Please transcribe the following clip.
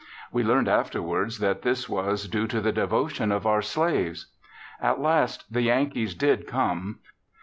We learned afterward that this was due to the devotion of our slaves. At last the Yankees did come.